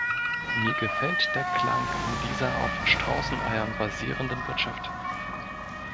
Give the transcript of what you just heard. Mir gefällt der Klang dieser auf Straußeneiern basierenden Wirtschaft.